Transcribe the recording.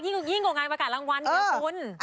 ยิ่งกว่างงานประกาศรางวัลที่จะหนุ่ม